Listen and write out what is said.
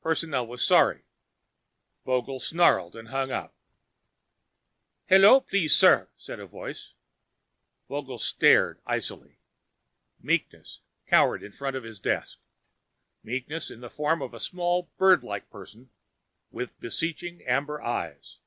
Personnel was sorry. Vogel snarled and hung up. "Hello, please, sir," said a voice. Vogel stared, icily. Meekness cowered in front of his desk. Meekness in the form of a small birdlike person with beseeching amber eyes.